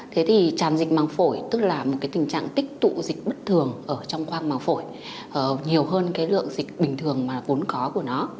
tràn dịch măng phổi tức là tình trạng tích tụ dịch bất thường trong khoang măng phổi nhiều hơn lượng dịch bình thường vốn có của nó